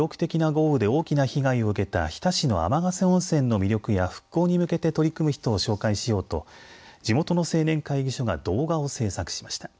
去年７月の記録的な豪雨で大きな被害を受けた日田市の天ヶ瀬温泉の魅力や復興に向けて取り組む人を紹介しようと地元の青年会議所が動画を制作しました。